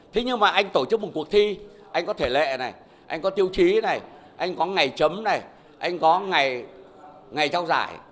thế nhưng mà anh tổ chức một cuộc thi anh có thể lệ này anh có tiêu chí này anh có ngày chấm này anh có ngày ngày trao giải